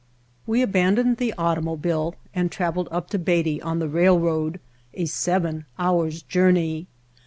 We abandoned the automobile and traveled up to Beatty on the railroad, a seven hours' jour ney.